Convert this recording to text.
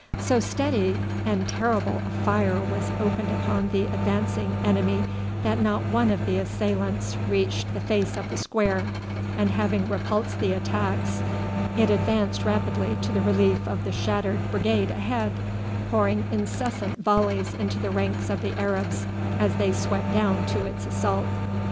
So steady and terrible a fire was opened upon the advancing enemy that not one of the assailants reached the face of the square; and having repulsed the attacks, it advanced rapidly to the relief of the shattered brigade ahead, pouring incessant volleys into the ranks of the Arabs as they swept down to its assault.